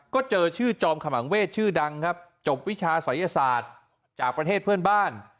ก็เจอชื่อจอมขมังเวศชื่อดังครับจบวิชาศัยศาสตร์จากประเทศเพื่อนบ้าน